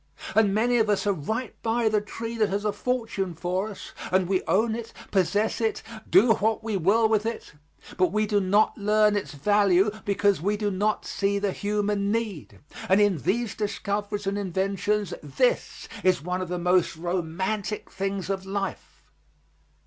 And many of us are right by the tree that has a fortune for us, and we own it, possess it, do what we will with it, but we do not learn its value because we do not see the human need, and in these discoveries and inventions this is one of the most romantic things of life.